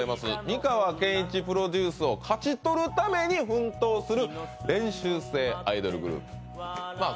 美川憲一プロデュースを勝ち取るために奮闘する練習生アイドルグループまあ